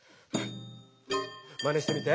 まねしてみて！